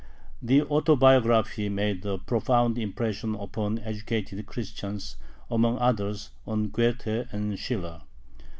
The Autobiography made a profound impression upon educated Christians, among others on Goethe and Schiller.